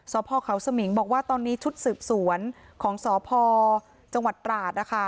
พ่อเขาสมิงบอกว่าตอนนี้ชุดสืบสวนของสพจังหวัดตราดนะคะ